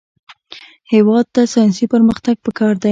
هېواد ته ساینسي پرمختګ پکار دی